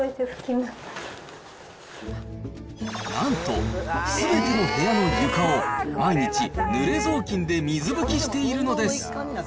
なんと、すべての部屋の床を毎日ぬれ雑巾で水拭きしているのです。